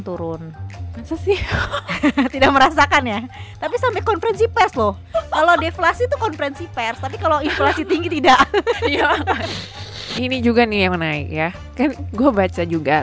udah mulai naik nih semua